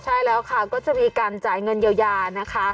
ใช่แล้วค่ะก็จะมีการจ่ายเงินเยียวยานะคะ